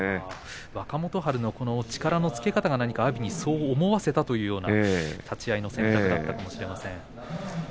若元春の力のつけ方が阿炎にそう思わせた立ち合いの攻め方だったのかもしれません。